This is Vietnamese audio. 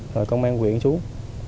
rồi công an huyện xuống